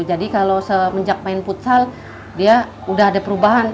jadi kalau semenjak main futsal dia udah ada perubahan